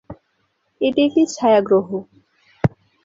এটি একটি ছায়া গ্রহ।